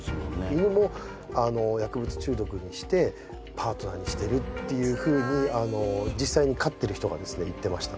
犬も薬物中毒にしてパートナーにしてるっていうふうにあの実際に飼ってる人がですね言ってました